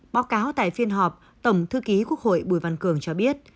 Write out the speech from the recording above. báo cáo tại phiên họp tổng thư ký quốc hội bùi văn cường cho biết